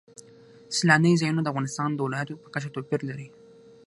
سیلانی ځایونه د افغانستان د ولایاتو په کچه توپیر لري.